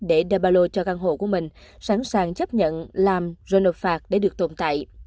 để đe bà lô cho căn hộ của mình sẵn sàng chấp nhận làm rồi nộp phạt để được tồn tại